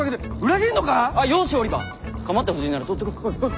構ってほしいなら取ってこい！